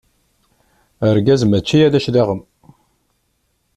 Argaz mačči ala cclaɣem.